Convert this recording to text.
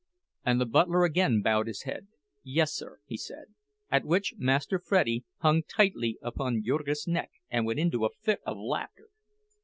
And the butler again bowed his head. "Yes, sir," he said, at which Master Freddie hung tightly upon Jurgis's neck and went into a fit of laughter.